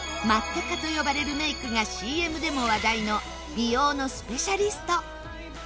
Ｍａｔｔ化と呼ばれるメイクがＣＭでも話題の美容のスペシャリスト。